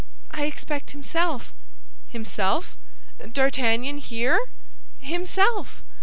"I expect himself." "Himself? D'Artagnan here?" "Himself!"